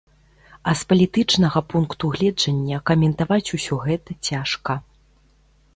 А з палітычнага пункту гледжання каментаваць усё гэта цяжка.